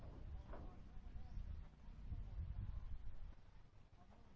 สวัสดีครับ